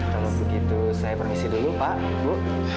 kalau begitu saya permisi dulu pak bu